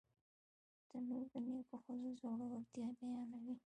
تنور د نیکو ښځو زړورتیا بیانوي